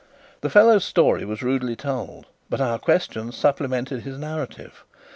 The fellow's story was rudely told, but our questions supplemented his narrative.